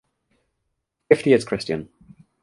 Gifty is Christian.